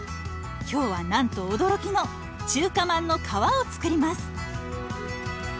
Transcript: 今日はなんと驚きの中華まんの皮を作ります。